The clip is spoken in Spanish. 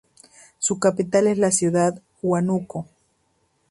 Su capital es la ciudad de "Huánuco".